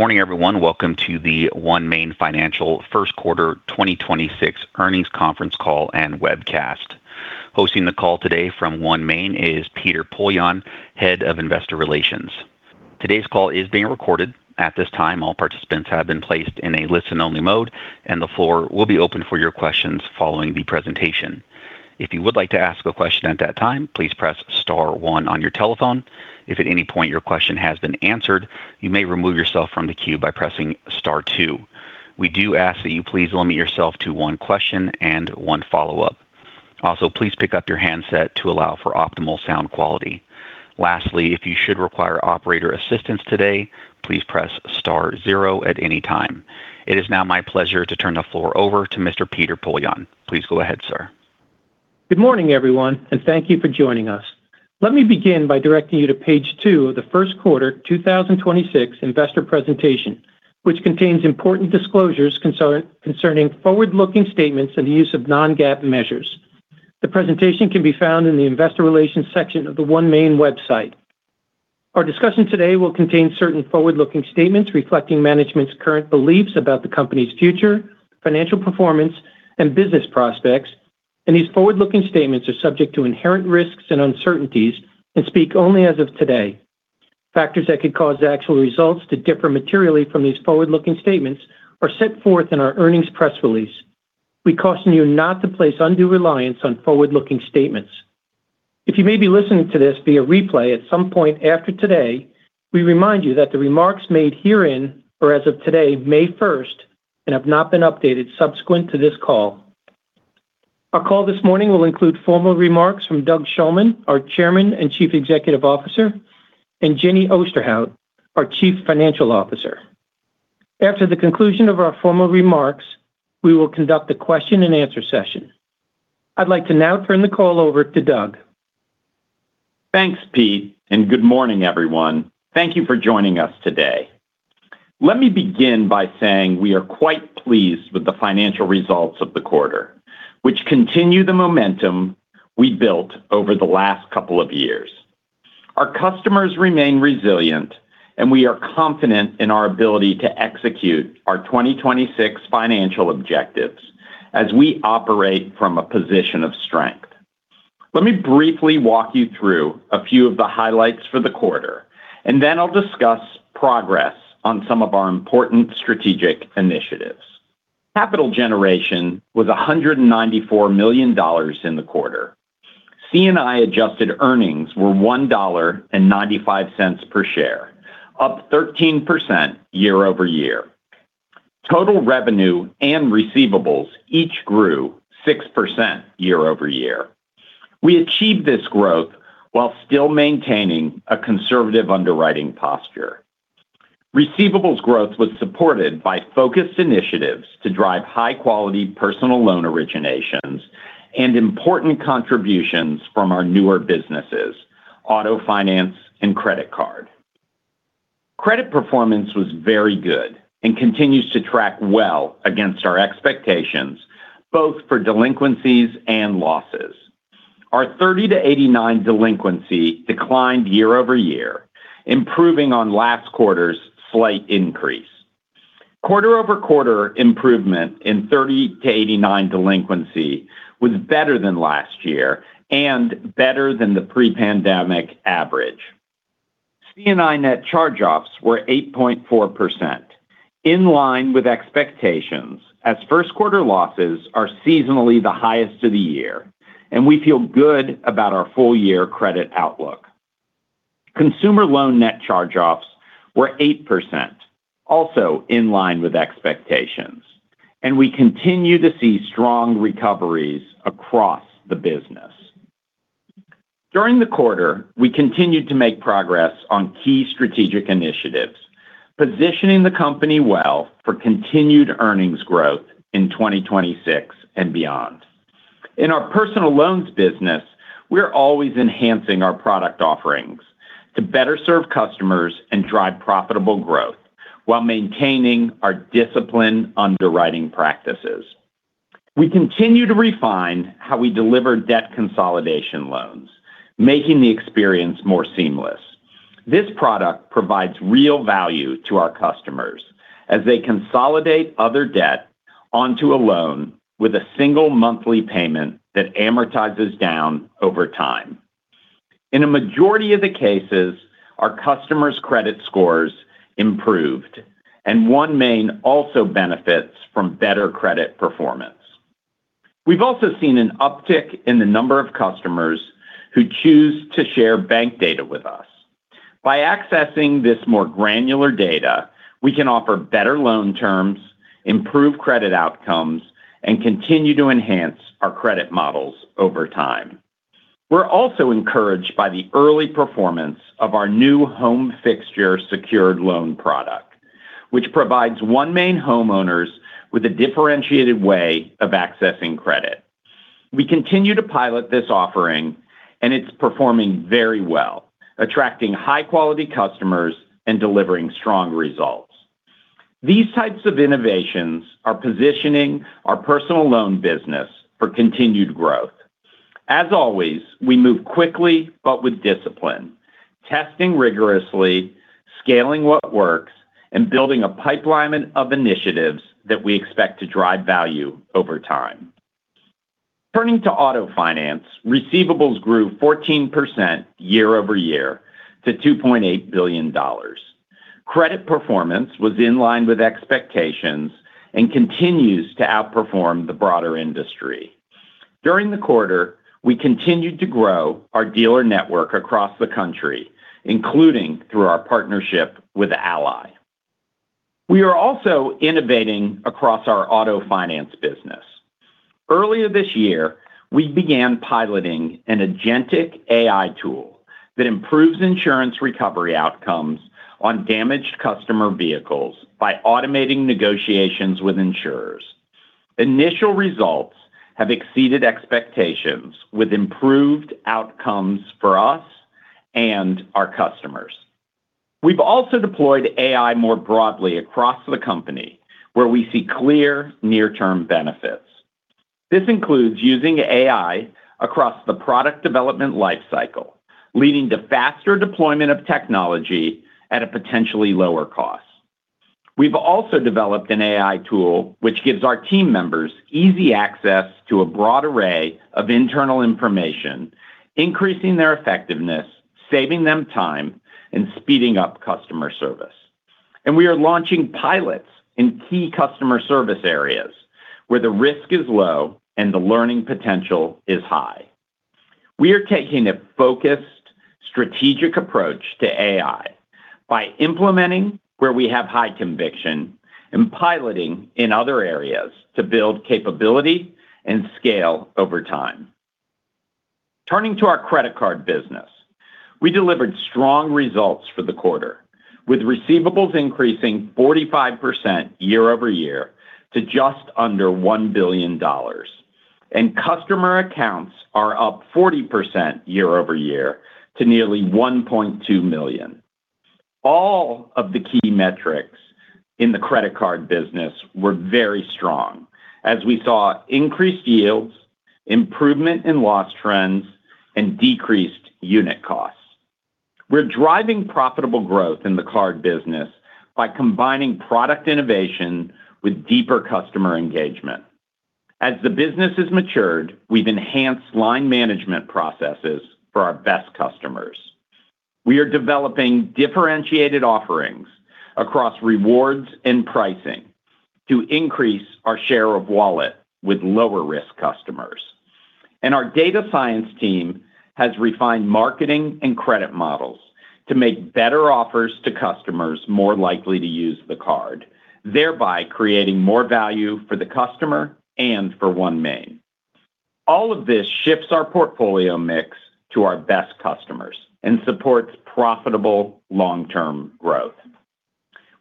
Good morning, everyone. Welcome to the OneMain Financial first quarter 2026 earnings conference call and webcast. Hosting the call today from OneMain is Peter Poillon, Head of Investor Relations. Today's call is being recorded. At this time, all participants have been placed in a listen-only mode, and the floor will be open for your questions following the presentation. If you would like to ask a question at that time, please press star one on your telephone. If at any point your question has been answered, you may remove yourself from the queue by pressing star two. We do ask that you please limit yourself to one question and one follow-up. Also, please pick up your handset to allow for optimal sound quality. Lastly, if you should require operator assistance today, please press star zero at any time. It is now my pleasure to turn the floor over to Mr. Peter Poillon. Please go ahead, sir. Good morning, everyone, and thank you for joining us. Let me begin by directing you to page two of the 1st quarter 2026 investor presentation, which contains important disclosures concerning forward-looking statements and the use of non-GAAP measures. The presentation can be found in the investor relations section of the OneMain website. Our discussion today will contain certain forward-looking statements reflecting management's current beliefs about the company's future, financial performance, and business prospects, and these forward-looking statements are subject to inherent risks and uncertainties and speak only as of today. Factors that could cause actual results to differ materially from these forward-looking statements are set forth in our earnings press release. We caution you not to place undue reliance on forward-looking statements. If you may be listening to this via replay at some point after today, we remind you that the remarks made herein are as of today, May first, and have not been updated subsequent to this call. Our call this morning will include formal remarks from Doug Shulman, our Chairman and Chief Executive Officer, and Jenny Osterhout, our Chief Financial Officer. After the conclusion of our formal remarks, we will conduct a question and answer session. I'd like to now turn the call over to Doug. Thanks, Pete. Good morning, everyone. Thank you for joining us today. Let me begin by saying we are quite pleased with the financial results of the quarter, which continue the momentum we built over the last couple of years. Our customers remain resilient, and we are confident in our ability to execute our 2026 financial objectives as we operate from a position of strength. Let me briefly walk you through a few of the highlights for the quarter, and then I'll discuss progress on some of our important strategic initiatives. Capital generation was $194 million in the quarter. C&I adjusted earnings were $1.95 per share, up 13% year-over-year. Total revenue and receivables each grew 6% year-over-year. We achieved this growth while still maintaining a conservative underwriting posture. Receivables growth was supported by focused initiatives to drive high-quality personal loan originations and important contributions from our newer businesses, auto finance and credit card. Credit performance was very good and continues to track well against our expectations both for delinquencies and losses. Our 30-89 delinquency declined year-over-year, improving on last quarter's slight increase. Quarter-over-quarter improvement in 30-89 delinquency was better than last year and better than the pre-pandemic average. C&I net charge-offs were 8.4%, in line with expectations as first quarter losses are seasonally the highest of the year, and we feel good about our full-year credit outlook. Consumer loan net charge-offs were 8%, also in line with expectations, and we continue to see strong recoveries across the business. During the quarter, we continued to make progress on key strategic initiatives, positioning the company well for continued earnings growth in 2026 and beyond. In our personal loans business, we're always enhancing our product offerings to better serve customers and drive profitable growth while maintaining our disciplined underwriting practices. We continue to refine how we deliver debt consolidation loans, making the experience more seamless. This product provides real value to our customers as they consolidate other debt onto a loan with a single monthly payment that amortizes down over time. In a majority of the cases, our customers' credit scores improved, and OneMain also benefits from better credit performance. We've also seen an uptick in the number of customers who choose to share bank data with us. By accessing this more granular data, we can offer better loan terms, improve credit outcomes, and continue to enhance our credit models over time. We're also encouraged by the early performance of our new home fixture secured loan product, which provides OneMain homeowners with a differentiated way of accessing credit. We continue to pilot this offering, and it's performing very well, attracting high-quality customers and delivering strong results. These types of innovations are positioning our personal loan business for continued growth. As always, we move quickly but with discipline, testing rigorously, scaling what works, and building a pipeline of initiatives that we expect to drive value over time. Turning to Auto finance, receivables grew 14% year-over-year to $2.8 billion. Credit performance was in line with expectations and continues to outperform the broader industry. During the quarter, we continued to grow our dealer network across the country, including through our partnership with Ally. We are also innovating across our auto finance business. Earlier this year, we began piloting an agentic AI tool that improves insurance recovery outcomes on damaged customer vehicles by automating negotiations with insurers. Initial results have exceeded expectations with improved outcomes for us and our customers. We've also deployed AI more broadly across the company where we see clear near-term benefits. This includes using AI across the product development life cycle, leading to faster deployment of technology at a potentially lower cost. We've also developed an AI tool which gives our team members easy access to a broad array of internal information, increasing their effectiveness, saving them time, and speeding up customer service. We are launching pilots in key customer service areas where the risk is low and the learning potential is high. We are taking a focused strategic approach to AI by implementing where we have high conviction and piloting in other areas to build capability and scale over time. Turning to our Credit Card business, we delivered strong results for the quarter with receivables increasing 45% year-over-year to just under $1 billion, and customer accounts are up 40% year-over-year to nearly 1.2 million. All of the key metrics in the Credit Card business were very strong as we saw increased yields, improvement in loss trends, and decreased unit costs. We're driving profitable growth in the card business by combining product innovation with deeper customer engagement. As the business has matured, we've enhanced line management processes for our best customers. We are developing differentiated offerings across rewards and pricing to increase our share of wallet with lower-risk customers. Our data science team has refined marketing and credit models to make better offers to customers more likely to use the card, thereby creating more value for the customer and for OneMain. All of this shifts our portfolio mix to our best customers and supports profitable long-term growth.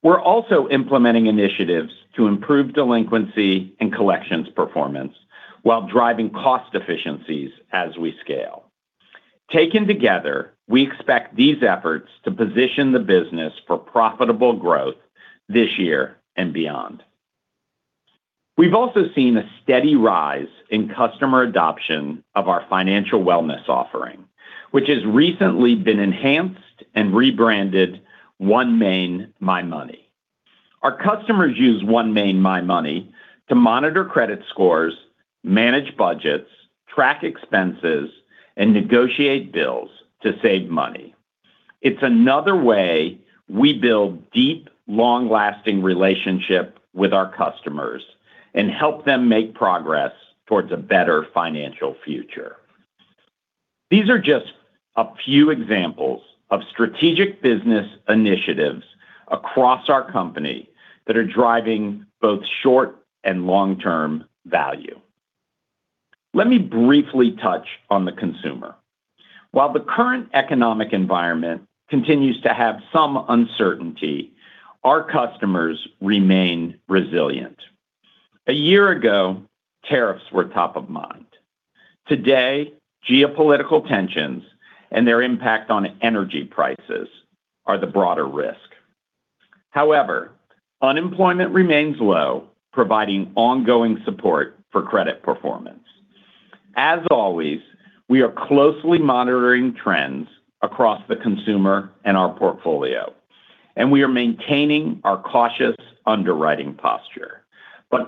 We're also implementing initiatives to improve delinquency and collections performance while driving cost efficiencies as we scale. Taken together, we expect these efforts to position the business for profitable growth this year and beyond. We've also seen a steady rise in customer adoption of our financial wellness offering, which has recently been enhanced and rebranded OneMain My Money. Our customers use OneMain My Money to monitor credit scores, manage budgets, track expenses, and negotiate bills to save money. It's another way we build deep, long-lasting relationship with our customers and help them make progress towards a better financial future. These are just a few examples of strategic business initiatives across our company that are driving both short and long-term value. Let me briefly touch on the consumer. While the current economic environment continues to have some uncertainty, our customers remain resilient. A year ago, tariffs were top of mind. Today, geopolitical tensions and their impact on energy prices are the broader risk. However, unemployment remains low, providing ongoing support for credit performance. As always, we are closely monitoring trends across the consumer and our portfolio, and we are maintaining our cautious underwriting posture.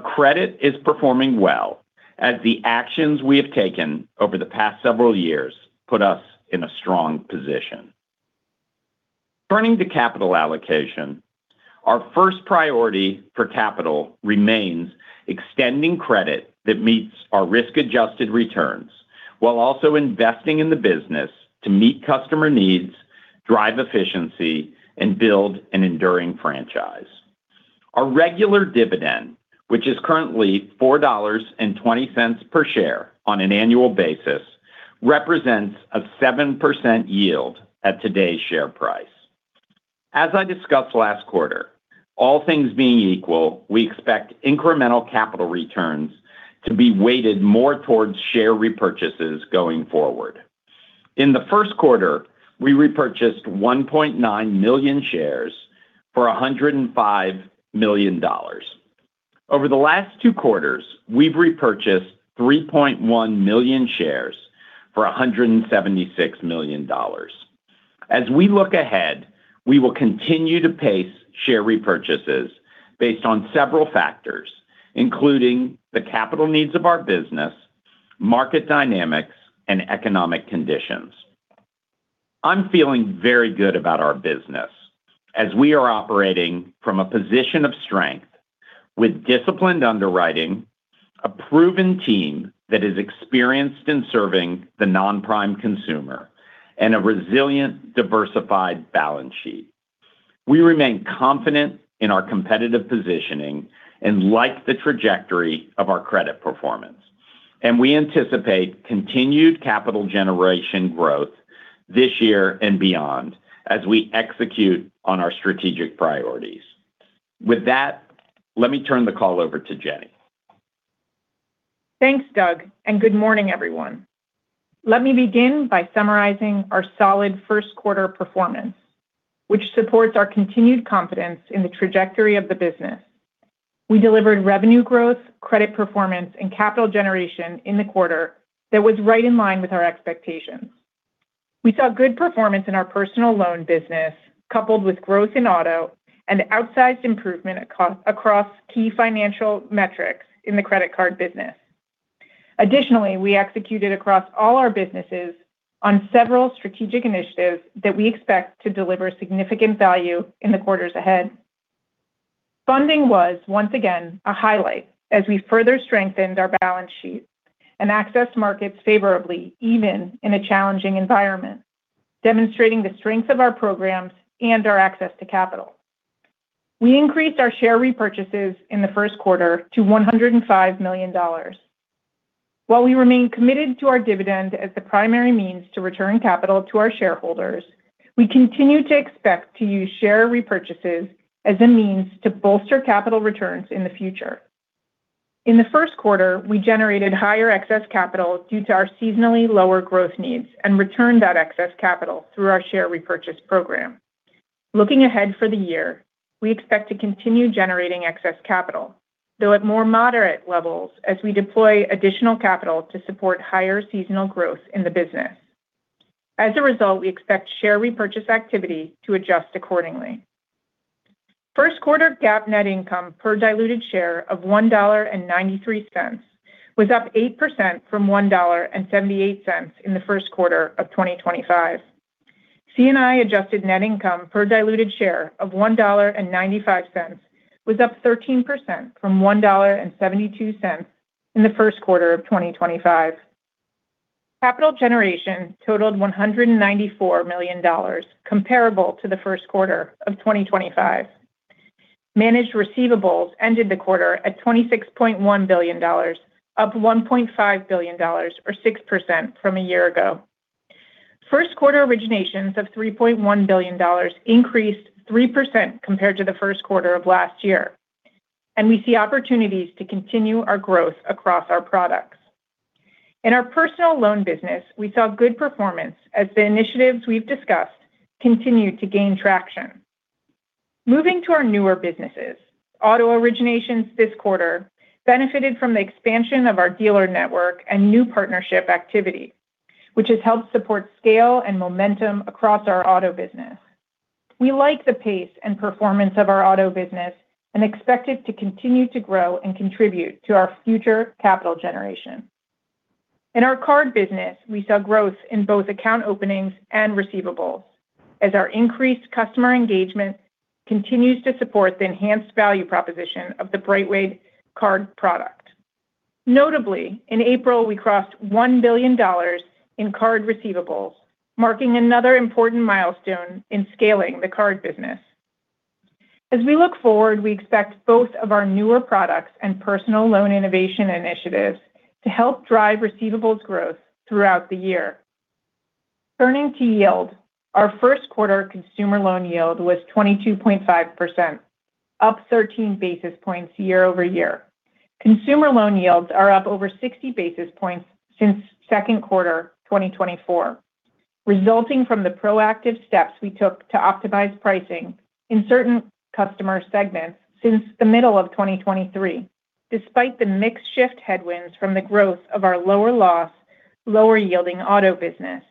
Credit is performing well as the actions we have taken over the past several years put us in a strong position. Turning to capital allocation, our first priority for capital remains extending credit that meets our risk-adjusted returns while also investing in the business to meet customer needs, drive efficiency, and build an enduring franchise. Our regular dividend, which is currently $4.20 per share on an annual basis, represents a 7% yield at today's share price. As I discussed last quarter, all things being equal, we expect incremental capital returns to be weighted more towards share repurchases going forward. In the first quarter, we repurchased 1.9 million shares for $105 million. Over the last two quarters, we've repurchased 3.1 million shares for $176 million. As we look ahead, we will continue to pace share repurchases based on several factors, including the capital needs of our business, market dynamics, and economic conditions. I'm feeling very good about our business as we are operating from a position of strength with disciplined underwriting, a proven team that is experienced in serving the non-prime consumer, and a resilient, diversified balance sheet. We remain confident in our competitive positioning and like the trajectory of our credit performance. We anticipate continued capital generation growth this year and beyond as we execute on our strategic priorities. With that, let me turn the call over to Jenny. Thanks, Doug. Good morning, everyone. Let me begin by summarizing our solid first quarter performance, which supports our continued confidence in the trajectory of the business. We delivered revenue growth, credit performance, and capital generation in the quarter that was right in line with our expectations. We saw good performance in our personal loan business, coupled with growth in auto and outsized improvement across key financial metrics in the credit card business. We executed across all our businesses on several strategic initiatives that we expect to deliver significant value in the quarters ahead. Funding was once again a highlight as we further strengthened our balance sheet and accessed markets favorably, even in a challenging environment, demonstrating the strength of our programs and our access to capital. We increased our share repurchases in the first quarter to $105 million. While we remain committed to our dividend as the primary means to return capital to our shareholders, we continue to expect to use share repurchases as a means to bolster capital returns in the future. In the first quarter, we generated higher excess capital due to our seasonally lower growth needs and returned that excess capital through our share repurchase program. Looking ahead for the year, we expect to continue generating excess capital, though at more moderate levels as we deploy additional capital to support higher seasonal growth in the business. As a result, we expect share repurchase activity to adjust accordingly. First quarter GAAP net income per diluted share of $1.93 was up 8% from $1.78 in the first quarter of 2025. C&I adjusted net income per diluted share of $1.95 was up 13% from $1.72 in the first quarter of 2025. Capital generation totaled $194 million, comparable to the first quarter of 2025. Managed receivables ended the quarter at $26.1 billion, up $1.5 billion or 6% from a year ago. First quarter originations of $3.1 billion increased 3% compared to the first quarter of last year. We see opportunities to continue our growth across our products. In our personal loan business, we saw good performance as the initiatives we've discussed continued to gain traction. Moving to our newer businesses, auto originations this quarter benefited from the expansion of our dealer network and new partnership activity, which has helped support scale and momentum across our auto business. We like the pace and performance of our auto business and expect it to continue to grow and contribute to our future capital generation. In our card business, we saw growth in both account openings and receivables as our increased customer engagement continues to support the enhanced value proposition of the BrightWay card product. Notably, in April, we crossed $1 billion in card receivables, marking another important milestone in scaling the card business. As we look forward, we expect both of our newer products and personal loan innovation initiatives to help drive receivables growth throughout the year. Turning to yield, our first quarter consumer loan yield was 22.5%, up 13 basis points year-over-year. Consumer loan yields are up over 60 basis points since second quarter 2024, resulting from the proactive steps we took to optimize pricing in certain customer segments since the middle of 2023, despite the mix shift headwinds from the growth of our lower loss, lower yielding auto business.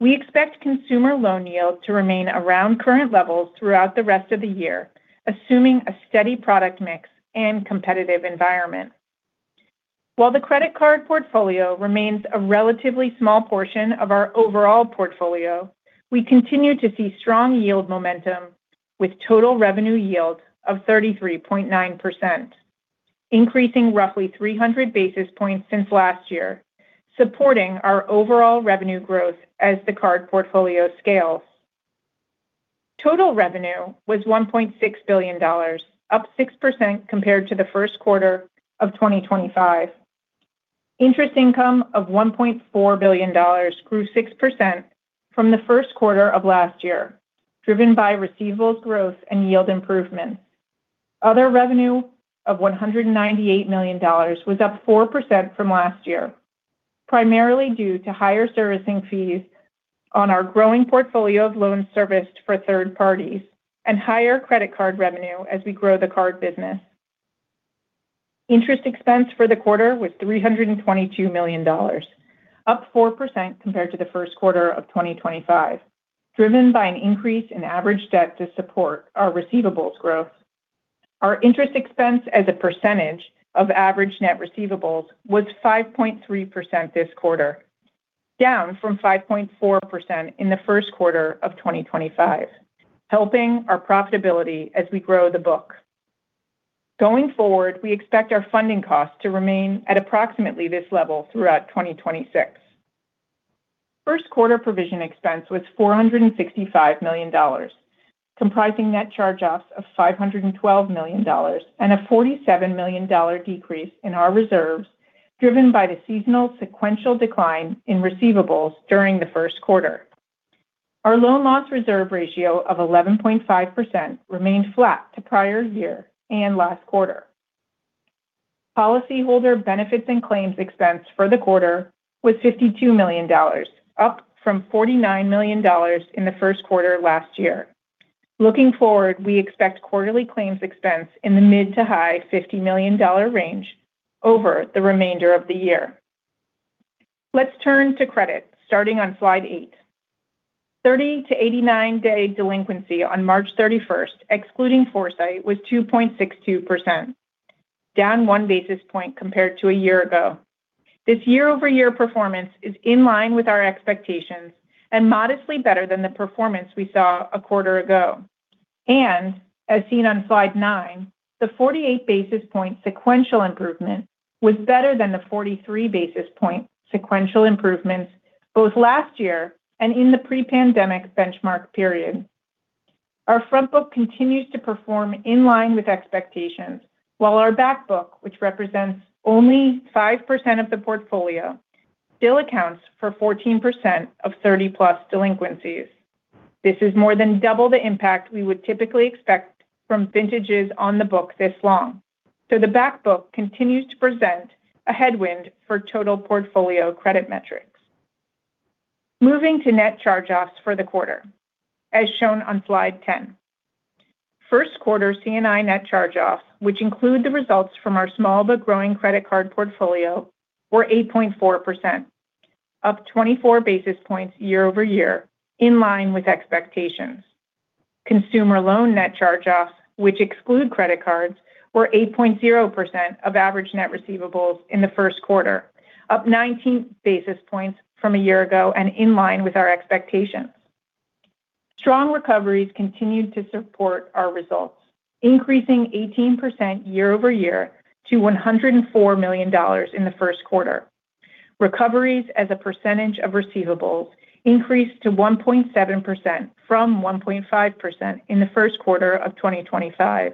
We expect consumer loan yield to remain around current levels throughout the rest of the year, assuming a steady product mix and competitive environment. While the credit card portfolio remains a relatively small portion of our overall portfolio, we continue to see strong yield momentum with total revenue yield of 33.9%, increasing roughly 300 basis points since last year, supporting our overall revenue growth as the card portfolio scales. Total revenue was $1.6 billion, up 6% compared to the first quarter of 2025. Interest income of $1.4 billion grew 6% from the first quarter of last year, driven by receivables growth and yield improvements. Other revenue of $198 million was up 4% from last year. Primarily due to higher servicing fees on our growing portfolio of loans serviced for third parties and higher credit card revenue as we grow the card business. Interest expense for the quarter was $322 million, up 4% compared to the first quarter of 2025, driven by an increase in average debt to support our receivables growth. Our interest expense as a percentage of average net receivables was 5.3% this quarter, down from 5.4% in the first quarter of 2025, helping our profitability as we grow the book. Going forward, we expect our funding costs to remain at approximately this level throughout 2026. First quarter provision expense was $465 million, comprising net charge-offs of $512 million and a $47 million decrease in our reserves, driven by the seasonal sequential decline in receivables during the first quarter. Our loan loss reserve ratio of 11.5% remained flat to prior year and last quarter. Policyholder benefits and claims expense for the quarter was $52 million, up from $49 million in the first quarter last year. Looking forward, we expect quarterly claims expense in the mid-to-high $50 million range over the remainder of the year. Let's turn to credit, starting on slide eight. 30-89 day delinquency on March 31st, excluding Foresight, was 2.62%, down 1 basis point compared to a year ago. This year-over-year performance is in line with our expectations and modestly better than the performance we saw a quarter ago. As seen on slide nine, the 48 basis point sequential improvement was better than the 43 basis point sequential improvements both last year and in the pre-pandemic benchmark period. Our front book continues to perform in line with expectations, while our back book, which represents only 5% of the portfolio, still accounts for 14% of 30+ delinquencies. This is more than double the impact we would typically expect from vintages on the book this long. The back book continues to present a headwind for total portfolio credit metrics. Moving to net charge-offs for the quarter, as shown on slide 10. First quarter C&I net charge-offs, which include the results from our small but growing credit card portfolio, were 8.4%, up 24 basis points year-over-year, in line with expectations. Consumer loan net charge-offs, which exclude credit cards, were 8.0% of average net receivables in the first quarter, up 19 basis points from a year ago and in line with our expectations. Strong recoveries continued to support our results, increasing 18% year-over-year to $104 million in the first quarter. Recoveries as a percentage of receivables increased to 1.7% from 1.5% in the first quarter of 2025,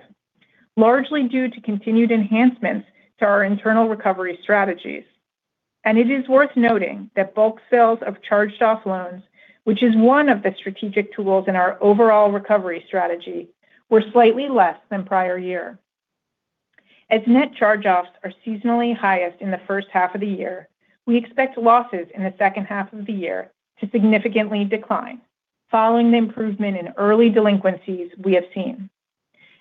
largely due to continued enhancements to our internal recovery strategies. It is worth noting that bulk sales of charged-off loans, which is one of the strategic tools in our overall recovery strategy, were slightly less than prior year. As net charge-offs are seasonally highest in the first half of the year, we expect losses in the second half of the year to significantly decline following the improvement in early delinquencies we have seen.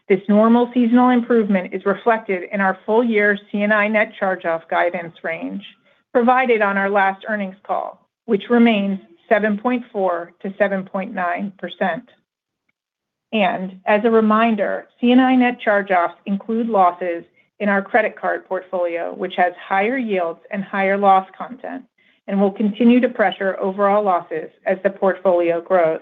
This normal seasonal improvement is reflected in our full-year C&I net charge-off guidance range provided on our last earnings call, which remains 7.4%-7.9%. As a reminder, C&I net charge-offs include losses in our credit card portfolio, which has higher yields and higher loss content and will continue to pressure overall losses as the portfolio grows.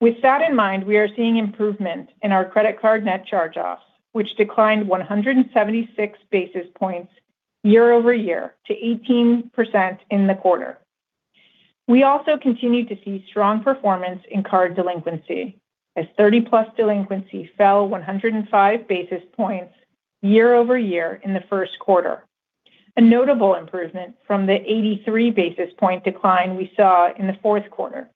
With that in mind, we are seeing improvement in our credit card net charge-offs, which declined 176 basis points year-over-year to 18% in the quarter. We also continue to see strong performance in card delinquency as 30+ delinquency fell 105 basis points year-over-year in the first quarter, a notable improvement from the 83 basis point decline we saw in the fourth quarter.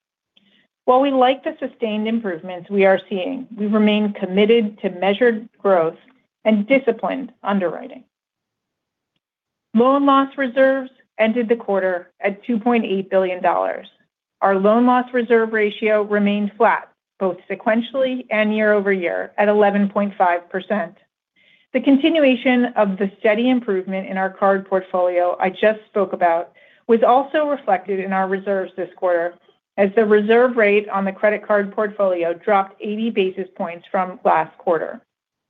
While we like the sustained improvements we are seeing, we remain committed to measured growth and disciplined underwriting. Loan loss reserves ended the quarter at $2.8 billion. Our loan loss reserve ratio remained flat both sequentially and year-over-year at 11.5%. The continuation of the steady improvement in our credit card portfolio I just spoke about was also reflected in our reserves this quarter as the reserve rate on the credit card portfolio dropped 80 basis points from last quarter.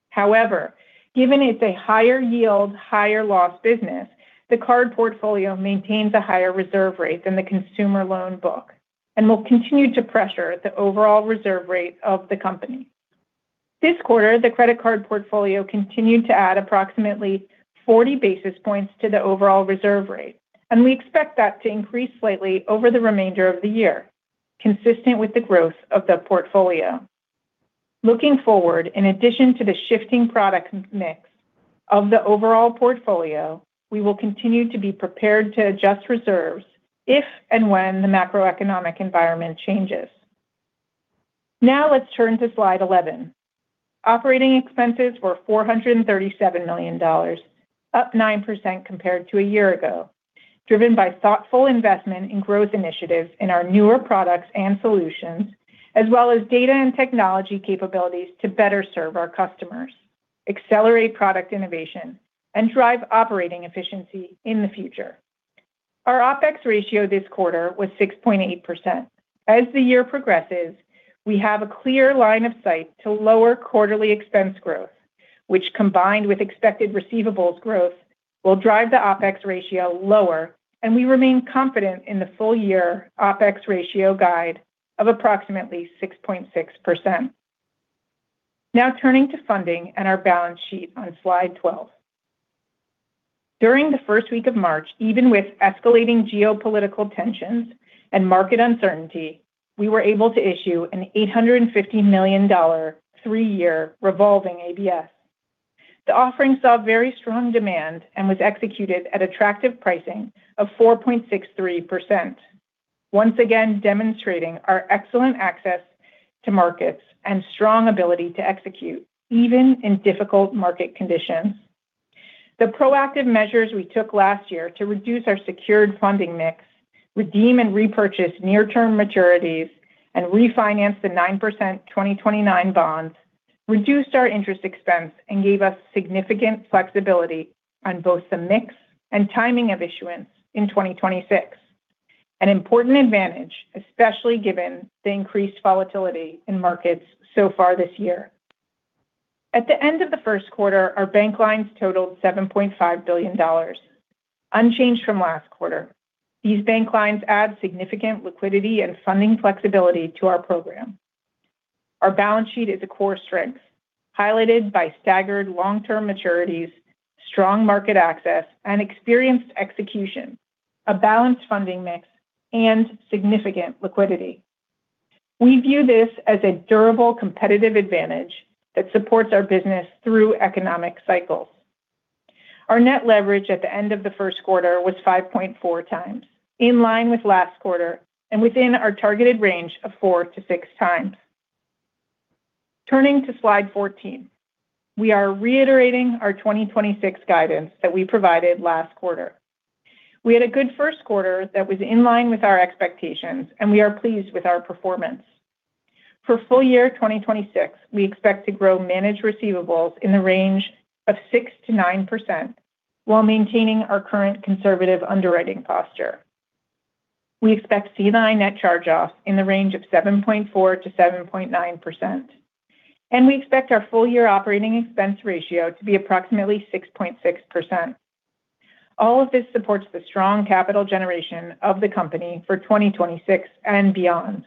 However, given it's a higher yield, higher loss business, the credit card portfolio maintains a higher reserve rate than the personal loans book and will continue to pressure the overall reserve rate of the company. This quarter, the credit card portfolio continued to add approximately 40 basis points to the overall reserve rate, and we expect that to increase slightly over the remainder of the year, consistent with the growth of the portfolio. Looking forward, in addition to the shifting product mix of the overall portfolio, we will continue to be prepared to adjust reserves if and when the macroeconomic environment changes. Now let's turn to slide 11. Operating expenses were $437 million, up 9% compared to a year ago, driven by thoughtful investment in growth initiatives in our newer products and solutions, as well as data and technology capabilities to better serve our customers, accelerate product innovation, and drive operating efficiency in the future. Our OPEX ratio this quarter was 6.8%. As the year progresses, we have a clear line of sight to lower quarterly expense growth, which combined with expected receivables growth, will drive the OPEX ratio lower, and we remain confident in the full-year OPEX ratio guide of approximately 6.6%. Now turning to funding and our balance sheet on slide 12. During the first week of March, even with escalating geopolitical tensions and market uncertainty, we were able to issue an $850 million three-year revolving ABS. The offering saw very strong demand and was executed at attractive pricing of 4.63%. Once again demonstrating our excellent access to markets and strong ability to execute even in difficult market conditions. The proactive measures we took last year to reduce our secured funding mix, redeem and repurchase near-term maturities, and refinance the 9% 2029 bonds reduced our interest expense and gave us significant flexibility on both the mix and timing of issuance in 2026. An important advantage, especially given the increased volatility in markets so far this year. At the end of the first quarter, our bank lines totaled $7.5 billion, unchanged from last quarter. These bank lines add significant liquidity and funding flexibility to our program. Our balance sheet is a core strength, highlighted by staggered long-term maturities, strong market access and experienced execution, a balanced funding mix, and significant liquidity. We view this as a durable competitive advantage that supports our business through economic cycles. Our net leverage at the end of the first quarter was 5.4x, in line with last quarter, and within our targeted range of 4-6x. Turning to slide 14. We are reiterating our 2026 guidance that we provided last quarter. We had a good 1st quarter that was in line with our expectations, and we are pleased with our performance. For full year 2026, we expect to grow managed receivables in the range of 6%-9% while maintaining our current conservative underwriting posture. We expect C&I net charge-offs in the range of 7.4%-7.9%, and we expect our full-year operating expense ratio to be approximately 6.6%. All of this supports the strong capital generation of the company for 2026 and beyond.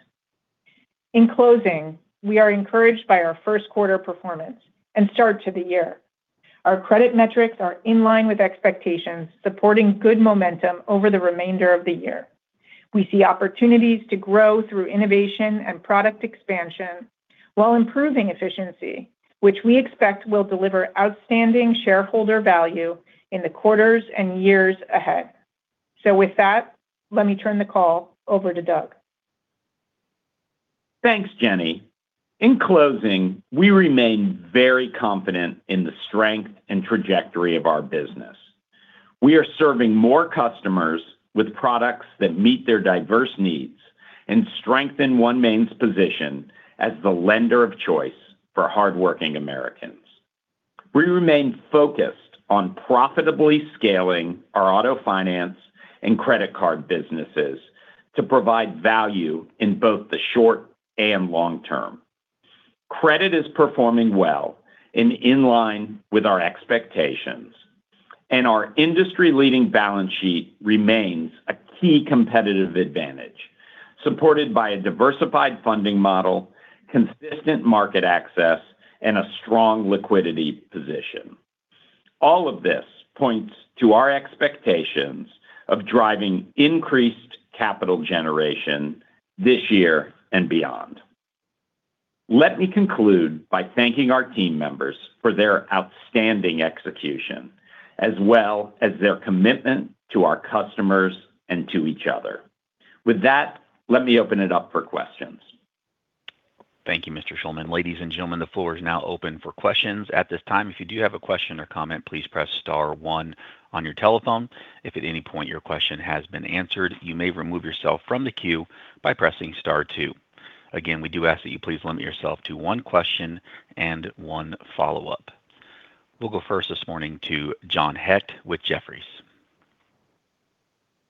In closing, we are encouraged by our first quarter performance and start to the year. Our credit metrics are in line with expectations, supporting good momentum over the remainder of the year. We see opportunities to grow through innovation and product expansion while improving efficiency, which we expect will deliver outstanding shareholder value in the quarters and years ahead. With that, let me turn the call over to Doug. Thanks, Jenny. In closing, we remain very confident in the strength and trajectory of our business. We are serving more customers with products that meet their diverse needs and strengthen OneMain's position as the lender of choice for hardworking Americans. We remain focused on profitably scaling our auto finance and credit card businesses to provide value in both the short and long term. Credit is performing well and in line with our expectations. Our industry-leading balance sheet remains a key competitive advantage, supported by a diversified funding model, consistent market access, and a strong liquidity position. All of this points to our expectations of driving increased capital generation this year and beyond. Let me conclude by thanking our team members for their outstanding execution, as well as their commitment to our customers and to each other. With that, let me open it up for questions. Thank you, Mr. Shulman. Ladies and gentlemen, the floor is now open for questions. At this time, if you do have a question or comment, please press star one on your telephone. If at any point your question has been answered, you may remove yourself from the queue by pressing star two. Again, we do ask that you please limit yourself to one question and one follow-up. We'll go first this morning to John Hecht with Jefferies.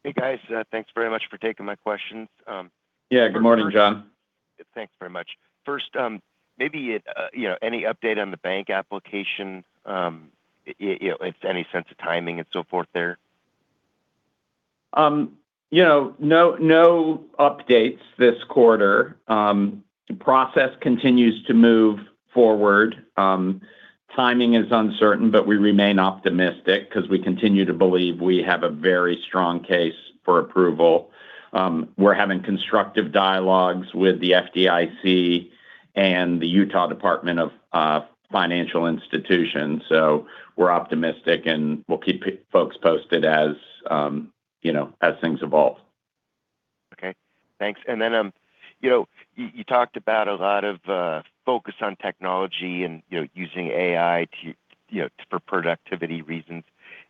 Hey, guys. Thanks very much for taking my questions. Yeah, good morning, John. Thanks very much. First, maybe, you know, any update on the bank application? You know, if any sense of timing and so forth there? You know, no updates this quarter. The process continues to move forward. Timing is uncertain, but we remain optimistic because we continue to believe we have a very strong case for approval. We're having constructive dialogues with the FDIC and the Utah Department of Financial Institutions. We're optimistic, and we'll keep folks posted as, you know, as things evolve. Okay, thanks. Then, you know, you talked about a lot of focus on technology and, you know, using AI to, you know, for productivity reasons.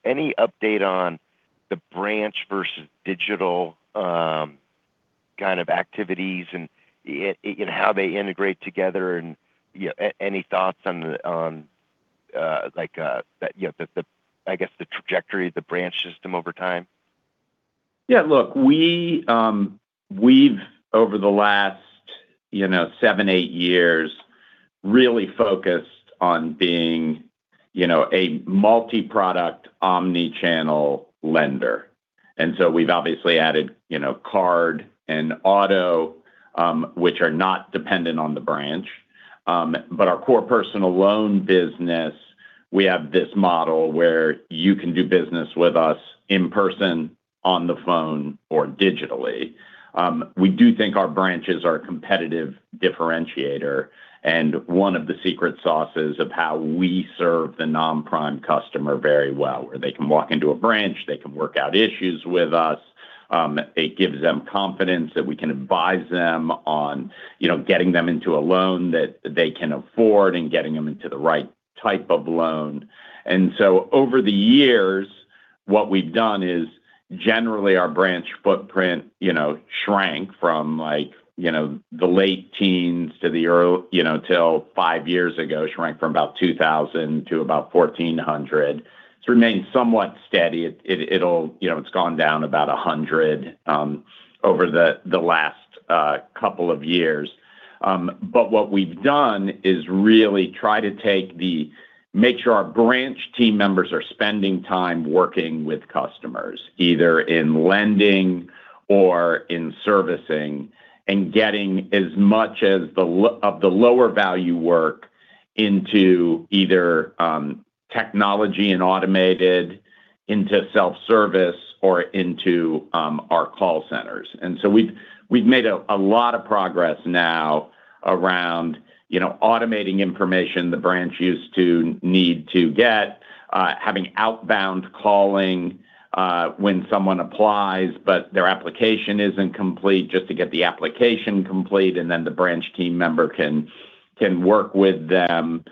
Any update on the branch versus digital kind of activities and how they integrate together and, you know, any thoughts on the, like, the, you know, the, I guess the trajectory of the branch system over time? Yeah, look, we've over the last, you know, seven, eight years really focused on being, you know, a multi-product omni-channel lender. We've obviously added, you know, card and auto, which are not dependent on the branch. Our core personal loan business, we have this model where you can do business with us in person, on the phone or digitally. We do think our branches are a competitive differentiator, and one of the secret sauces of how we serve the non-prime customer very well, where they can walk into a branch, they can work out issues with us. It gives them confidence that we can advise them on, you know, getting them into a loan that they can afford and getting them into the right type of loan. Over the years, what we've done is generally our branch footprint shrank from the late teens till five years ago, shrank from about 2,000 to about 1,400. It's remained somewhat steady. It's gone down about 100 over the last couple of years. What we've done is really try to make sure our branch team members are spending time working with customers, either in lending or in servicing and getting as much as the lower value work into either technology and automated into self-service or into our call centers. We've made a lot of progress now around, you know, automating information the branch used to need to get, having outbound calling when someone applies, but their application isn't complete just to get the application complete, and then the branch team member can work with them.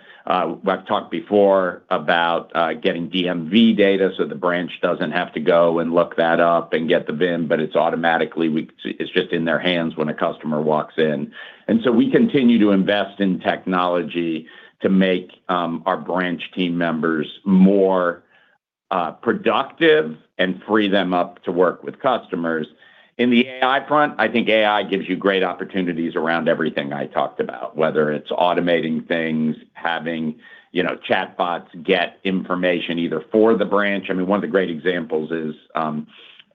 We've talked before about getting DMV data so the branch doesn't have to go and look that up and get the VIN, but it's automatically it's just in their hands when a customer walks in. We continue to invest in technology to make our branch team members more productive and free them up to work with customers. In the AI front, I think AI gives you great opportunities around everything I talked about, whether it's automating things, having, you know, chatbots get information either for the branch. I mean, one of the great examples is,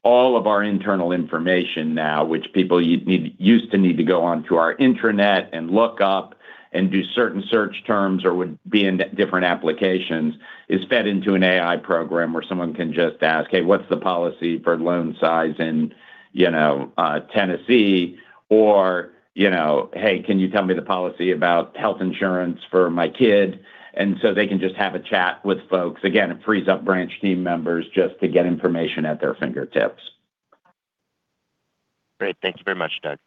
all of our internal information now, which people used to need to go onto our intranet and look up and do certain search terms or would be in different applications, is fed into an AI program where someone can just ask, "Hey, what's the policy for loan size in, you know, Tennessee?" Or, you know, "Hey, can you tell me the policy about health insurance for my kid?" They can just have a chat with folks. Again, it frees up branch team members just to get information at their fingertips. Great. Thank you very much, Doug.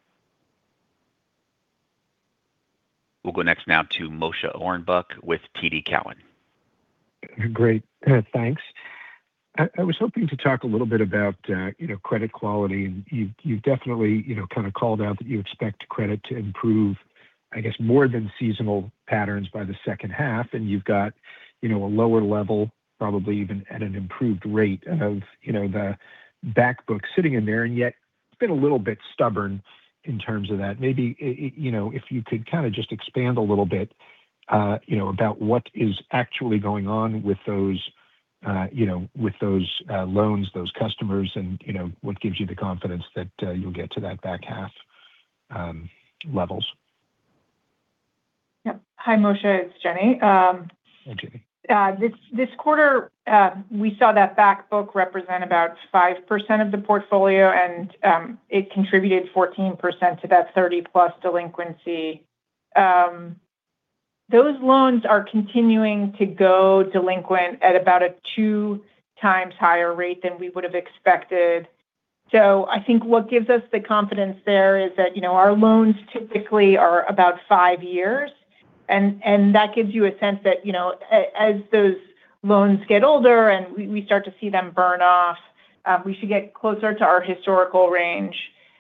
We'll go next now to Moshe Orenbuch with TD Cowen. Great. Thanks. I was hoping to talk a little bit about, you know, credit quality. You've definitely, you know, kind of called out that you expect credit to improve, I guess, more than seasonal patterns by the second half, and you've got, you know, a lower level, probably even at an improved rate of, you know, the back book sitting in there. Yet it's been a little bit stubborn in terms of that. Maybe, you know, if you could kind of just expand a little bit, you know, about what is actually going on with those, you know, with those loans, those customers, and, you know, what gives you the confidence that you'll get to that back half levels. Yep. Hi, Moshe, it's Jenny. Hi, Jenny. This quarter, we saw that back book represent about 5% of the portfolio, and it contributed 14% to that 30+ delinquency. Those loans are continuing to go delinquent at about a 2x higher rate than we would have expected. I think what gives us the confidence there is that, you know, our loans typically are about five years. And that gives you a sense that, you know, as those loans get older and we start to see them burn off, we should get closer to our historical range.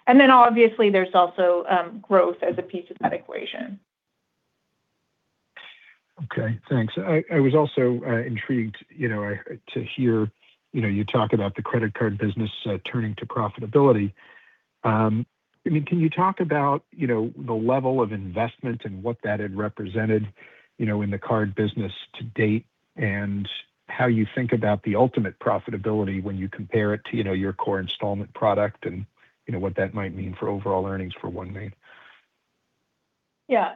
Obviously there's also growth as a piece of that equation. Okay, thanks. I was also intrigued, you know, to hear, you know, you talk about the credit card business turning to profitability. I mean, can you talk about, you know, the level of investment and what that had represented, you know, in the card business to date, and how you think about the ultimate profitability when you compare it to, you know, your core installment product and, you know, what that might mean for overall earnings for OneMain? Yeah.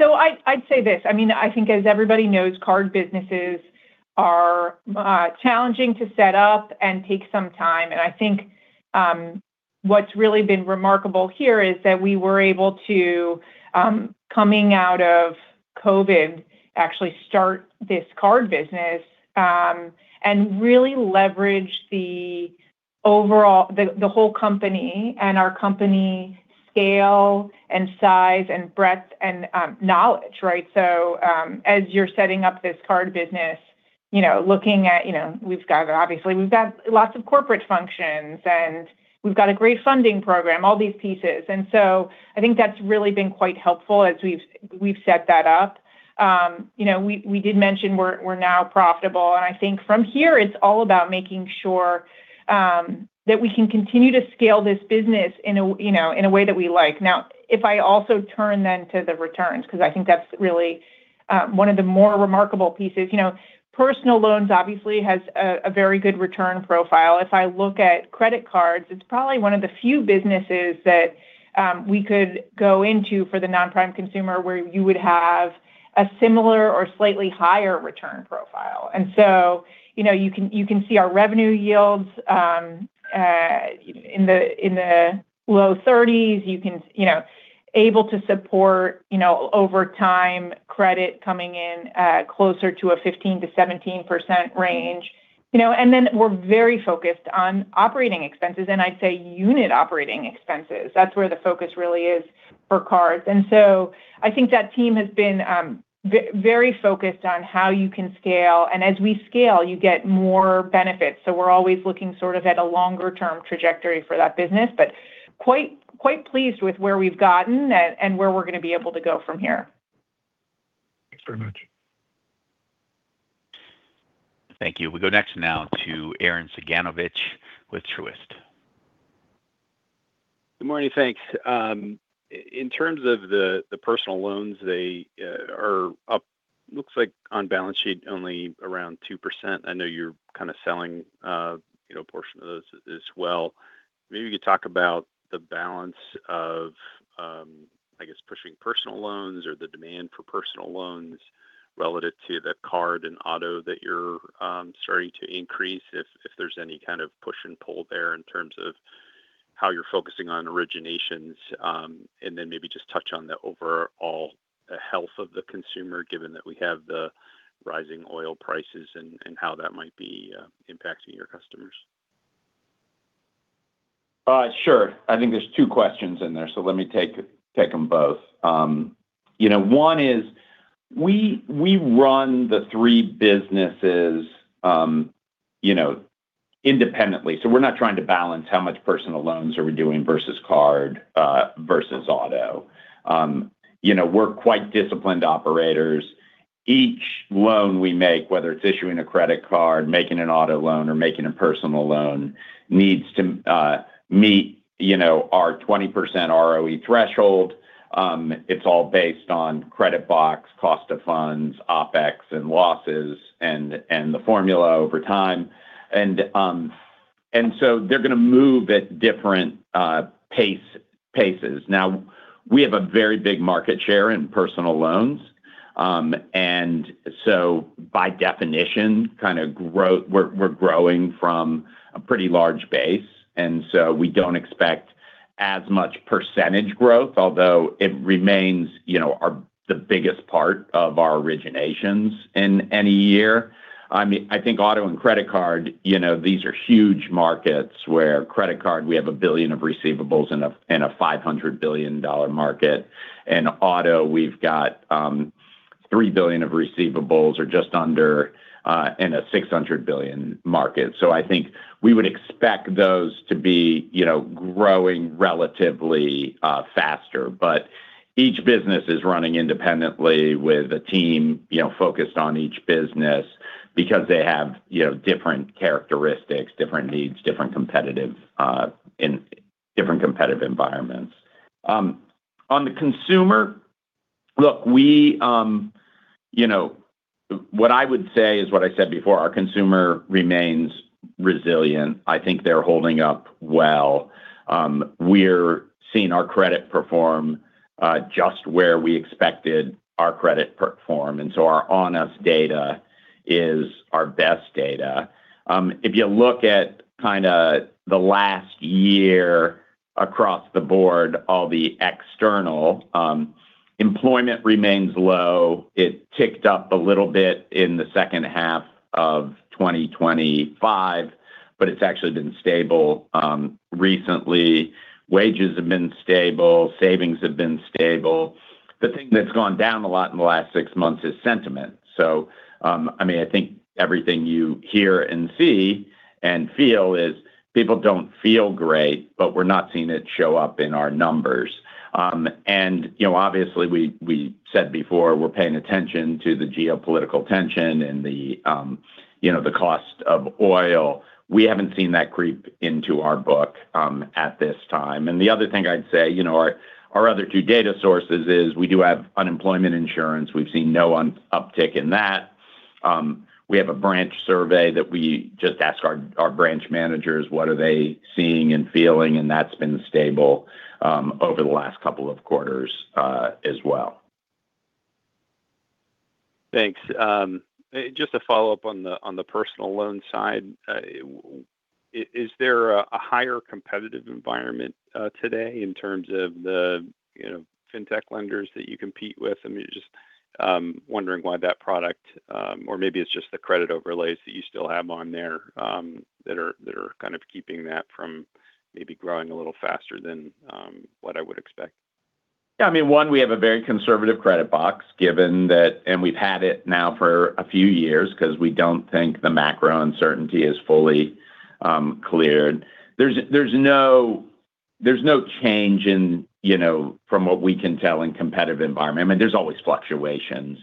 I'd say this. I mean, I think as everybody knows, card businesses are challenging to set up and take some time. I think what's really been remarkable here is that we were able to coming out of COVID actually start this card business and really leverage the overall the whole company and our company scale and size and breadth and knowledge, right. As you're setting up this card business, you know, looking at, you know, we've got obviously we've got lots of corporate functions, and we've got a great funding program, all these pieces. I think that's really been quite helpful as we've set that up. You know, we did mention we're now profitable. I think from here it's all about making sure that we can continue to scale this business in a, you know, in a way that we like. If I also turn then to the returns because I think that's really one of the more remarkable pieces. You know, personal loans obviously has a very good return profile. If I look at credit cards, it's probably one of the few businesses that we could go into for the non-prime consumer where you would have a similar or slightly higher return profile. You know, you can see our revenue yields in the low 30s. You know, able to support, you know, over time credit coming in closer to a 15%-17% range. You know, we're very focused on operating expenses, and I'd say unit operating expenses. That's where the focus really is for cards. I think that team has been very focused on how you can scale, and as we scale you get more benefits. We're always looking sort of at a longer term trajectory for that business. Quite pleased with where we've gotten and where we're going to be able to go from here. Thanks very much. Thank you. We go next now to Arren Cyganovich with Truist. Good morning. Thanks. In terms of the personal loans, they are up looks like on balance sheet only around 2%. I know you're kind of selling, you know, a portion of those as well. Maybe you could talk about the balance of, I guess pushing personal loans or the demand for personal loans relative to the credit card and auto finance that you're starting to increase. If there's any kind of push and pull there in terms of how you're focusing on originations. Then maybe just touch on the overall health of the consumer, given that we have the rising oil prices and how that might be impacting your customers. Sure. I think there's two questions in there, let me take them both. You know, one is we run the three businesses, you know, independently. We're not trying to balance how much personal loans are we doing versus card, versus auto. You know, we're quite disciplined operators. Each loan we make, whether it's issuing a credit card, making an auto loan, or making a personal loan, needs to meet, you know, our 20% ROE threshold. It's all based on credit box, cost of funds, OPEX, and losses and the formula over time. They're going to move at different paces. Now, we have a very big market share in personal loans. By definition, kind of grow, we're growing from a pretty large base, and so we don't expect as much percentage growth, although it remains, you know, our the biggest part of our originations in any year. I mean, I think auto and credit card, you know, these are huge markets where credit card we have $1 billion of receivables in a $500 billion market. In auto, we've got $3 billion of receivables or just under, in a $600 billion market. I think we would expect those to be, you know, growing relatively faster. Each business is running independently with a team, you know, focused on each business because they have, you know, different characteristics, different needs, different competitive and different competitive environments. On the consumer, look, we, you know What I would say is what I said before. Our consumer remains resilient. I think they're holding up well. We're seeing our credit perform just where we expected our credit perform, and so our on-us data is our best data. If you look at kind of the last year across the board, all the external, employment remains low. It ticked up a little bit in the second half of 2025, but it's actually been stable recently. Wages have been stable. Savings have been stable. The thing that's gone down a lot in the last six months is sentiment. I mean, I think everything you hear and see and feel is people don't feel great, but we're not seeing it show up in our numbers. You know, obviously we said before we're paying attention to the geopolitical tension and the, you know, the cost of oil. We haven't seen that creep into our book at this time. The other thing I'd say, you know, our other two data sources is we do have unemployment insurance. We've seen no uptick in that. We have a branch survey that we just ask our branch managers what are they seeing and feeling, and that's been stable over the last couple of quarters as well. Thanks. Just a follow-up on the personal loan side. Is there a higher competitive environment today in terms of the, you know, FinTech lenders that you compete with? I'm just wondering why that product, or maybe it's just the credit overlays that you still have on there, that are kind of keeping that from maybe growing a little faster than what I would expect. Yeah. I mean, one, we have a very conservative credit box given that. We've had it now for a few years because we don't think the macro uncertainty is fully cleared. There's no change in, you know, from what we can tell in competitive environment. I mean, there's always fluctuations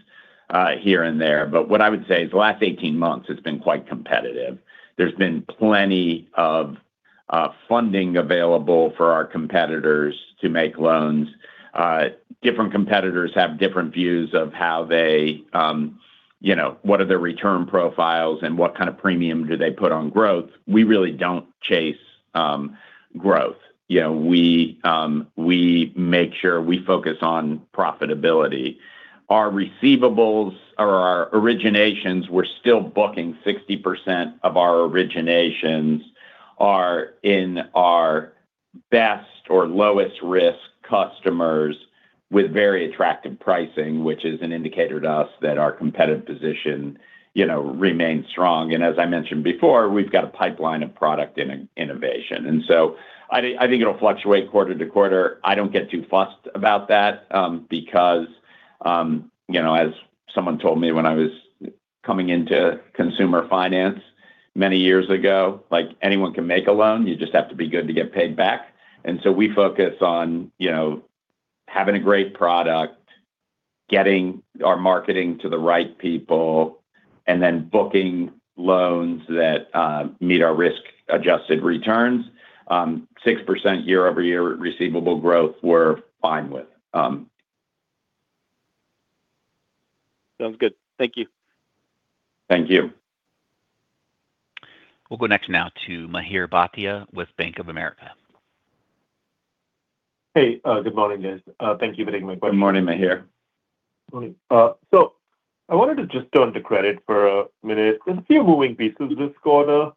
here and there. What I would say is the last 18 months has been quite competitive. There's been plenty of funding available for our competitors to make loans. Different competitors have different views of how they, you know, what are their return profiles and what kind of premium do they put on growth. We really don't chase growth. You know, we make sure we focus on profitability. Our receivables or our originations, we're still booking 60% of our originations are in our best or lowest risk customers with very attractive pricing, which is an indicator to us that our competitive position, you know, remains strong. As I mentioned before, we've got a pipeline of product innovation. I think it'll fluctuate quarter-to-quarter. I don't get too fussed about that, because, you know, as someone told me when I was coming into consumer finance many years ago, like anyone can make a loan. You just have to be good to get paid back. We focus on, you know, having a great product, getting our marketing to the right people, and then booking loans that meet our risk-adjusted returns. 6% year-over-year receivable growth we're fine with. Sounds good. Thank you. Thank you. We'll go next now to Mihir Bhatia with Bank of America. Hey, good morning, guys. Thank you for taking my question. Good morning, Mihir. Morning. I wanted to just turn to credit for a minute. There's a few moving pieces this quarter.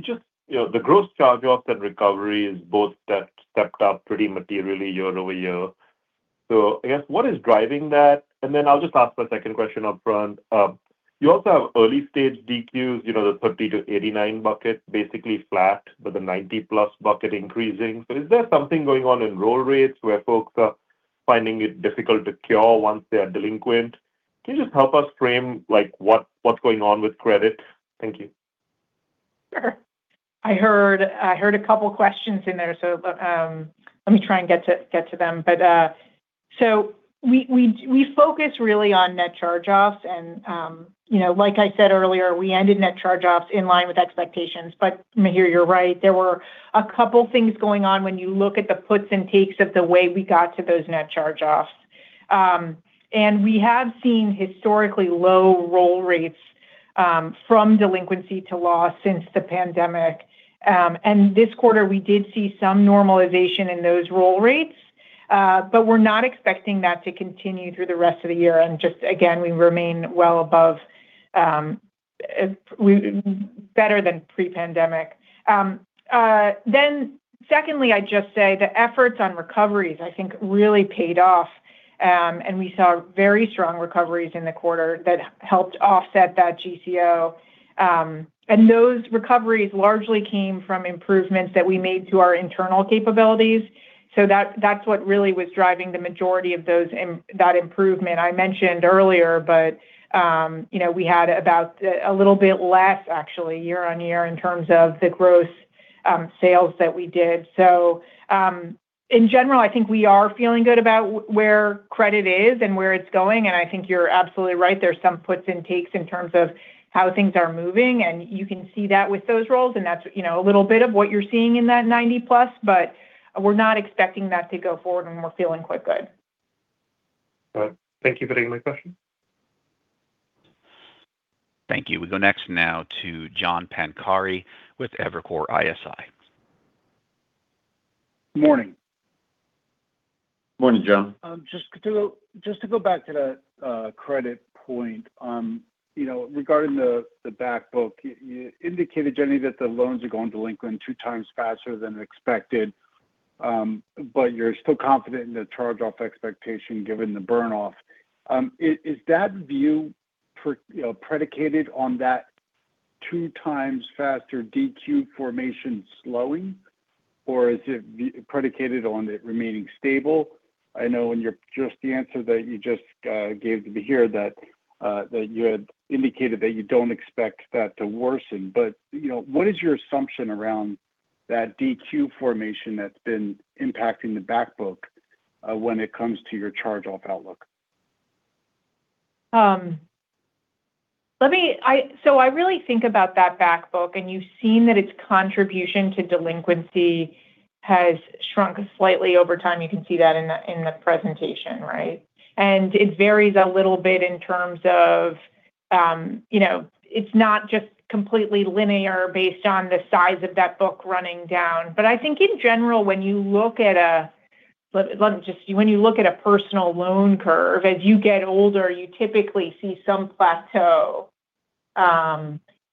Just, you know, the gross charge-offs and recovery is both stepped up pretty materially year-over-year. I guess, what is driving that? I'll just ask a second question up front. You also have early-stage DQs, you know, the 30 to 89 bucket basically flat, but the 90+ bucket increasing. Is there something going on in roll rates where folks are finding it difficult to cure once they are delinquent? Can you just help us frame, like, what's going on with credit? Thank you. Sure. I heard a couple questions in there, let me try and get to them. We focus really on net charge-offs and, you know, like I said earlier, we ended net charge-offs in line with expectations. Mihir, you're right. There were a couple things going on when you look at the puts and takes of the way we got to those net charge-offs. We have seen historically low roll rates from delinquency to loss since the pandemic. This quarter, we did see some normalization in those roll rates, but we're not expecting that to continue through the rest of the year. Just again, we remain well above better than pre-pandemic. Secondly, I'd just say the efforts on recoveries, I think, really paid off. We saw very strong recoveries in the quarter that helped offset that GCO. Those recoveries largely came from improvements that we made to our internal capabilities. That, that's what really was driving the majority of those that improvement. I mentioned earlier, you know, we had about a little bit less actually year-on-year in terms of the gross sales that we did. In general, I think we are feeling good about where credit is and where it's going, and I think you're absolutely right. There's some puts and takes in terms of how things are moving, and you can see that with those rolls, and that's, you know, a little bit of what you're seeing in that 90+. We're not expecting that to go forward, and we're feeling quite good. All right. Thank you for taking my question. Thank you. We go next now to John Pancari with Evercore ISI. Morning. Morning, John. Just to go back to the credit point. You know, regarding the back book, you indicated, Jenny, that the loans are going to delinquent two times faster than expected, but you're still confident in the charge-off expectation given the burn-off. Is that view you know, predicated on that two times faster DQ formation slowing, or is it predicated on it remaining stable? I know just the answer that you just gave to me here that you had indicated that you don't expect that to worsen. You know, what is your assumption around that DQ formation that's been impacting the back book when it comes to your charge-off outlook? Let me, I really think about that back book, and you've seen that its contribution to delinquency has shrunk slightly over time. You can see that in the, in the presentation, right? It varies a little bit in terms of, you know, it's not just completely linear based on the size of that book running down. I think in general, let me just when you look at a personal loan curve, as you get older, you typically see some plateau,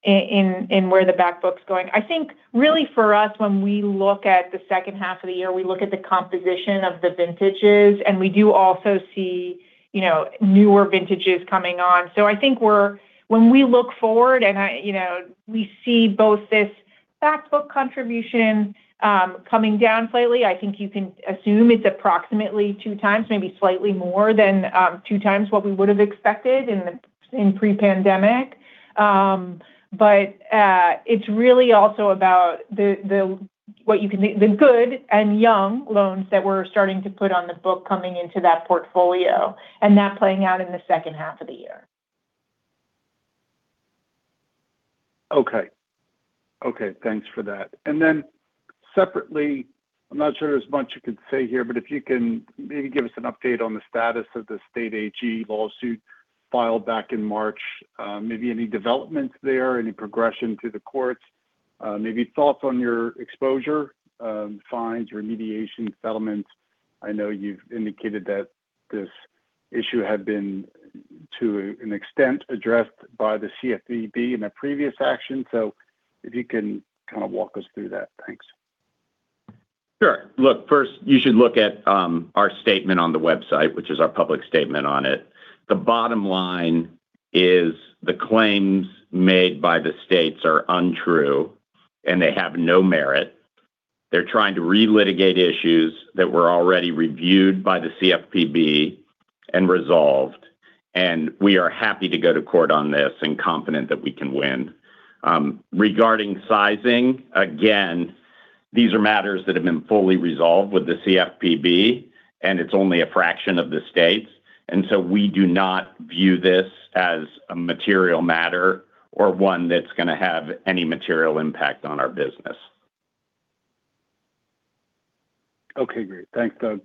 in where the back book's going. I think really for us, when we look at the second half of the year, we look at the composition of the vintages, and we do also see, you know, newer vintages coming on. I think when we look forward and I, you know, we see both this back book contribution coming down slightly. I think you can assume it's approximately 2x, maybe slightly more than 2x what we would have expected in pre-pandemic. It's really also about the good and young loans that we're starting to put on the book coming into that portfolio and that playing out in the second half of the year. Okay. Okay. Thanks for that. Separately, I'm not sure there's much you could say here, but if you can maybe give us an update on the status of the state AG lawsuit filed back in March. Maybe any developments there, any progression through the courts? Maybe thoughts on your exposure, fines, remediations, settlements. I know you've indicated that this issue had been to an extent addressed by the CFPB in a previous action. If you can kind of walk us through that. Thanks. Sure. Look, first, you should look at our statement on the website, which is our public statement on it. The bottom line is the claims made by the states are untrue, they have no merit. They're trying to relitigate issues that were already reviewed by the CFPB and resolved. We are happy to go to court on this and confident that we can win. Regarding sizing, again, these are matters that have been fully resolved with the CFPB, and it's only a fraction of the states. We do not view this as a material matter or one that's going to have any material impact on our business. Okay, great. Thanks, Doug.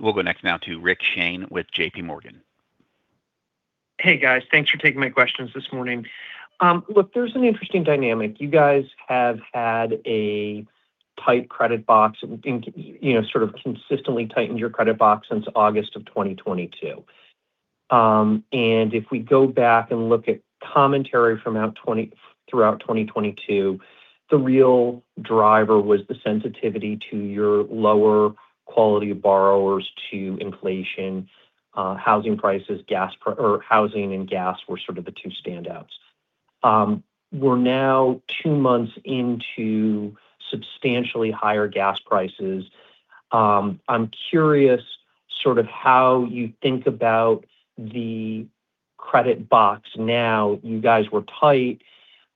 We'll go next now to Rich Shane with JPMorgan. Hey, guys. Thanks for taking my questions this morning. Look, there's an interesting dynamic. You guys have had a tight credit box and, you know, sort of consistently tightened your credit box since August of 2022. If we go back and look at commentary throughout 2022, the real driver was the sensitivity to your lower quality borrowers to inflation, housing prices, or housing and gas were sort of the two standouts. We're now two months into substantially higher gas prices. I'm curious sort of how you think about the credit box now. You guys were tight.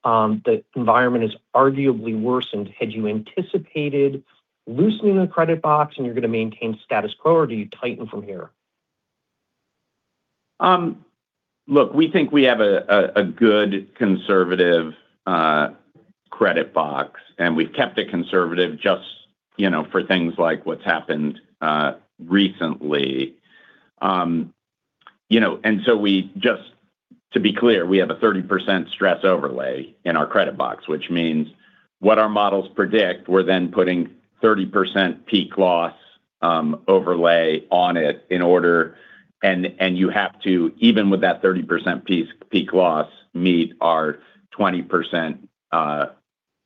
The environment has arguably worsened. Had you anticipated loosening the credit box and you're going to maintain status quo, or do you tighten from here? Look, we think we have a good conservative credit box, and we've kept it conservative just, you know, for things like what's happened recently. You know, just to be clear, we have a 30% stress overlay in our credit box, which means what our models predict, we're then putting 30% peak loss overlay on it in order. You have to, even with that 30% piece peak loss, meet our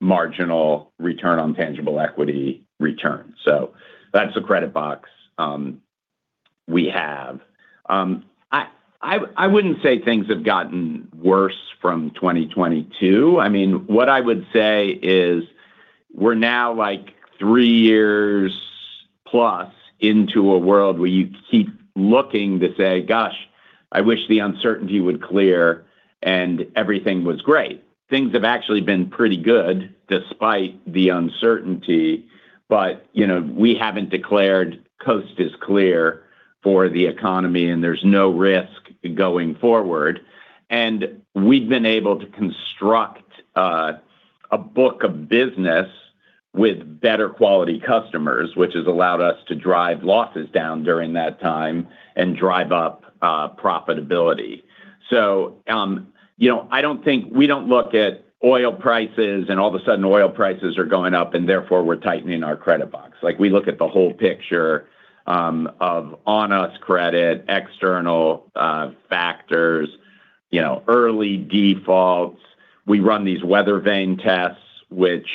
20% marginal return on tangible equity return. That's the credit box we have. I wouldn't say things have gotten worse from 2022. I mean, what I would say is we're now, like, three years plus into a world where you keep looking to say, "Gosh, I wish the uncertainty would clear and everything was great." Things have actually been pretty good despite the uncertainty. You know, we haven't declared coast is clear for the economy and there's no risk going forward. We've been able to construct a book of business with better quality customers, which has allowed us to drive losses down during that time and drive up profitability. You know, we don't look at oil prices and all of a sudden oil prices are going up and therefore we're tightening our credit box. Like we look at the whole picture of on-us credit, external factors, you know, early defaults. We run these weather vane tests, which,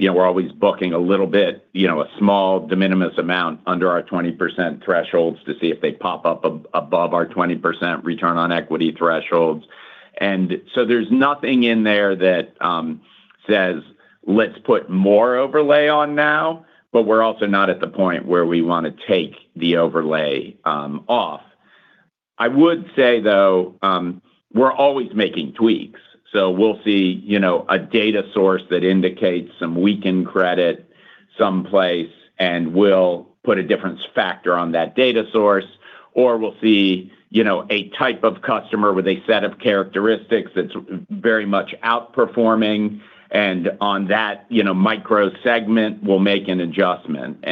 you know, we're always booking a little bit, you know, a small de minimis amount under our 20% thresholds to see if they pop up above our 20% return on equity thresholds. There's nothing in there that says, "Let's put more overlay on now," but we're also not at the point where we want to take the overlay off. I would say, though, we're always making tweaks. We'll see, you know, a data source that indicates some weakened credit someplace, and we'll put a difference factor on that data source. We'll see, you know, a type of customer with a set of characteristics that's very much outperforming, and on that, you know, micro segment, we'll make an adjustment.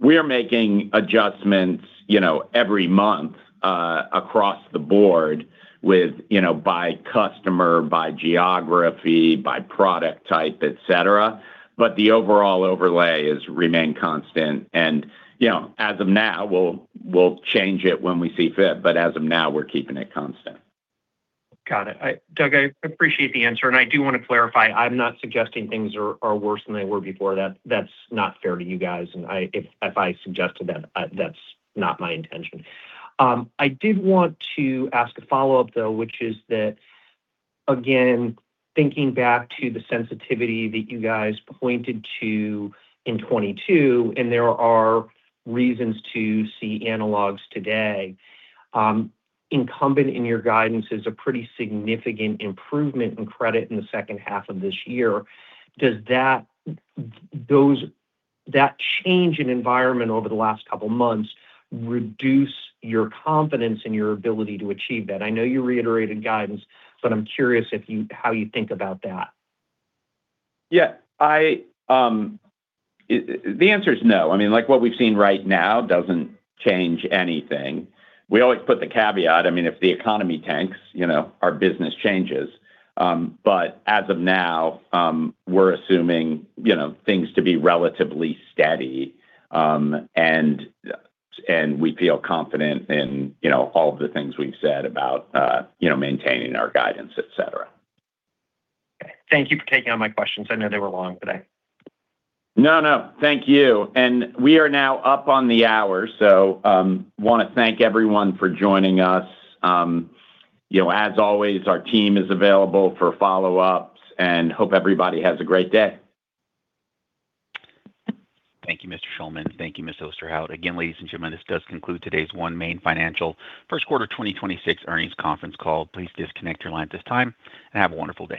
We're making adjustments, you know, every month, across the board with, you know, by customer, by geography, by product type, etc. The overall overlay has remained constant. You know, as of now, we'll change it when we see fit, but as of now, we're keeping it constant. Got it. Doug, I appreciate the answer, and I do want to clarify, I'm not suggesting things are worse than they were before. That's not fair to you guys, and if I suggested that's not my intention. I did want to ask a follow-up, though, which is that, again, thinking back to the sensitivity that you guys pointed to in 22, and there are reasons to see analogs today, incumbent in your guidance is a pretty significant improvement in credit in the second half of this year. Does that, those that change in environment over the last couple of months reduce your confidence in your ability to achieve that? I know you reiterated guidance, but I'm curious if you how you think about that. Yeah. I, the answer is no. I mean, like, what we've seen right now doesn't change anything. We always put the caveat. I mean, if the economy tanks, you know, our business changes. As of now, we're assuming, you know, things to be relatively steady. We feel confident in, you know, all of the things we've said about, you know, maintaining our guidance, et cetera. Thank you for taking all my questions. I know they were long today. No, no. Thank you. We are now up on the hour, so, wanna thank everyone for joining us. You know, as always, our team is available for follow-ups, and hope everybody has a great day. Thank you, Mr. Shulman. Thank you, Ms. Osterhout. Ladies and gentlemen, this does conclude today's OneMain Financial first quarter 2026 earnings conference call. Please disconnect your line at this time. Have a wonderful day.